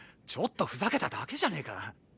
ちょっとふざけただけじゃねぇか。